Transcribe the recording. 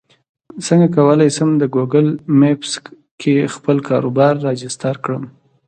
څنګه کولی شم د ګوګل مېپس کې خپل کاروبار راجستر کړم